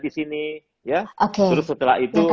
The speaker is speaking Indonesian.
di sini ya oke terus setelah itu